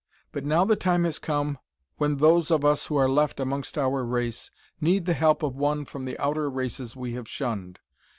But now the time has come when those of us who are left amongst our race need the help of one from the outer races we have shunned.